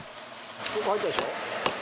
結構入ったでしょ。